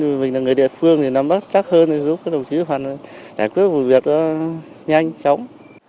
vì mình là người địa phương thì nắm bắt chắc hơn giúp các đồng chí hoàn thành giải quyết công việc nhanh chóng